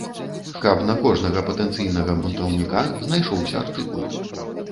Каб на кожнага патэнцыйнага бунтаўніка знайшоўся артыкул.